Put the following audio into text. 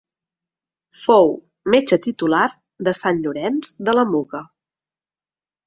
Fou metge titular de Sant Llorenç de la Muga.